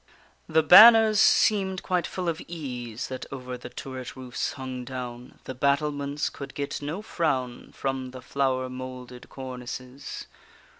The banners seem'd quite full of ease, That over the turret roofs hung down; The battlements could get no frown From the flower moulded cornices.